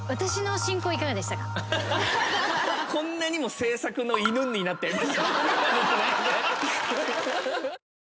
こんなにも制作の犬になって。